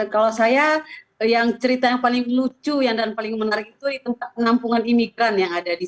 kalau saya yang cerita yang paling lucu yang dan paling menarik itu tentang penampungan imigran yang ada di sini